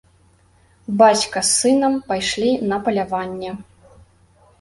Бацька з сынам пайшлі на паляванне.